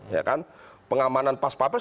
ya kan pengamanan pas papres